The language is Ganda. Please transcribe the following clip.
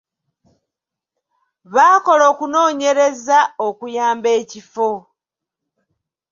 Baakola okunoonyereza okuyamba ekifo.